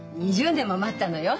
２０年も待ったのよ。